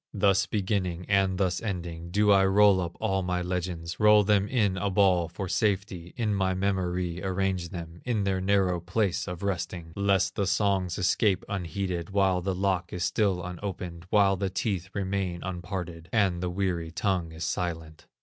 Thus beginning, and thus ending, Do I roll up all my legends, Roll them in a ball for safety, In my memory arrange them, In their narrow place of resting, Lest the songs escape unheeded, While the lock is still unopened, While the teeth remain unparted, And the weary tongue is silent.